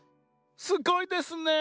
すごいですね。